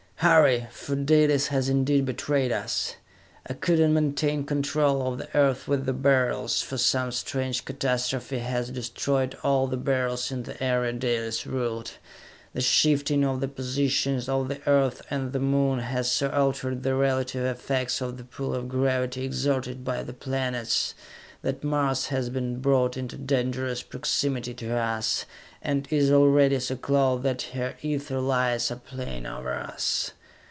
Hurry! For Dalis has indeed betrayed us! I could not maintain control of the Earth with the Beryls, for some strange catastrophe has destroyed all the Beryls in the area Dalis ruled! The shifting of positions of the Earth and the Moon has so altered the relative effects of the pull of gravity exerted by the planets that Mars has been brought into dangerous proximity to us and is already so close that her ether lights are playing over us!